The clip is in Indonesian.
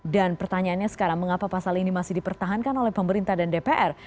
dan pertanyaannya sekarang mengapa pasal ini masih dipertahankan oleh pemerintah dan dpr